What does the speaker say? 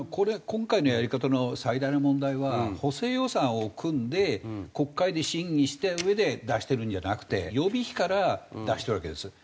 今回のやり方の最大の問題は補正予算を組んで国会で審議したうえで出してるんじゃなくて予備費から出してるわけですよ。